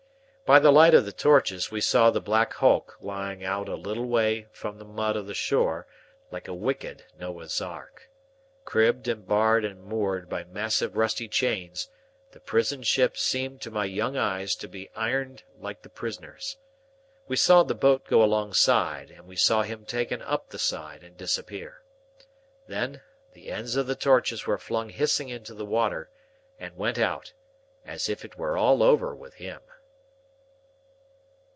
By the light of the torches, we saw the black Hulk lying out a little way from the mud of the shore, like a wicked Noah's ark. Cribbed and barred and moored by massive rusty chains, the prison ship seemed in my young eyes to be ironed like the prisoners. We saw the boat go alongside, and we saw him taken up the side and disappear. Then, the ends of the torches were flung hissing into the water, and went out, as if it were all over with him.